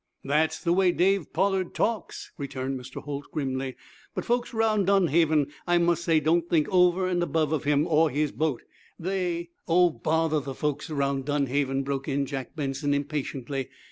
"That's the way Dave Pollard talks," returned Mr. Holt, grimly. "But folks 'round Dunhaven, I must say, don't think over an' above of him or his boat. They " "Oh, bother the folks around Dunhaven!" broke in Jack Benson, impatiently.